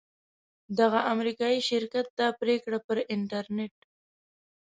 دغه امریکایي شرکت دا پریکړه پر انټرنیټ